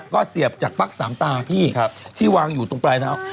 ก็เสียบจากปั๊กสามตาพี่ที่วางอยู่ตรงปลายเท้า